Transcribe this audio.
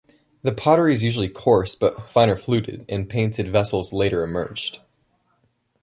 The pottery is usually coarse but finer fluted and painted vessels later emerged.